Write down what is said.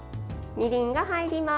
みりんが入ります。